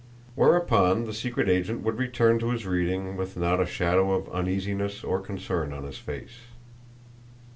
Whereupon the secret agent would return to his reading with not a shadow of uneasiness or concern on his face.